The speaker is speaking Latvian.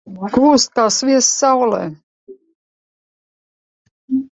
Kūst kā sviests saulē.